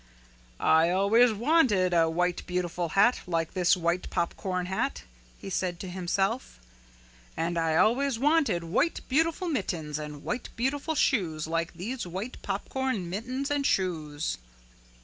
"I always wanted a white beautiful hat like this white popcorn hat," he said to himself. "And I always wanted white beautiful mittens and white beautiful shoes like these white popcorn mittens and shoes."